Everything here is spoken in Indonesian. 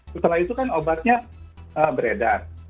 setelah itu kan obatnya beredar